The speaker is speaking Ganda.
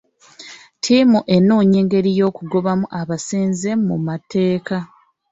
Ttiimu enoonya engeri y'okugobamu abasenze mu mateeka .